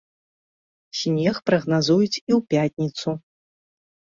Снег прагназуюць і ў пятніцу.